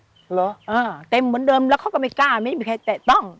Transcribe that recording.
เหรออ่าเต็มเหมือนเดิมแล้วเขาก็ไม่กล้าไม่มีใครแตะต้อง